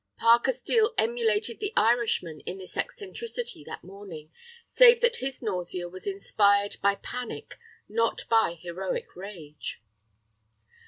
Parker Steel emulated the Irishman in this eccentricity that morning, save that his nausea was inspired by panic, and not by heroic rage.